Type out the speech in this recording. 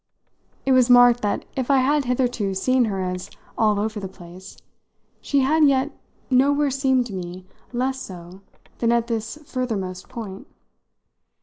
It was marked that if I had hitherto seen her as "all over the place," she had yet nowhere seemed to me less so than at this furthermost point.